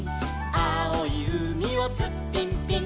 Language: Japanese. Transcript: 「あおいうみをツッピンピン」